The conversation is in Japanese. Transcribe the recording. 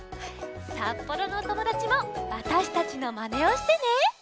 札幌のおともだちもわたしたちのまねをしてね！